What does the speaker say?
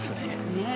ねえ。